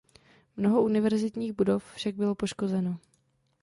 Mnoho univerzitních budov však bylo poškozeno.